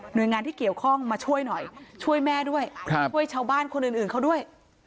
โดยงานที่เกี่ยวข้องมาช่วยหน่อยช่วยแม่ด้วยช่วยชาวบ้านคนอื่นเขาด้วย